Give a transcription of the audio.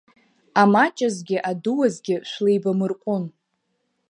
Амаҷазгьы адуазгьы шәлеибамырҟәын.